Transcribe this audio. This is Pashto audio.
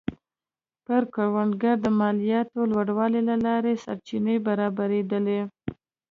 پر کروندګرو د مالیاتو لوړولو له لارې سرچینې برابرېدلې